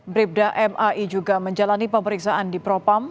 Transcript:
bribda m a i juga menjalani pemeriksaan di propam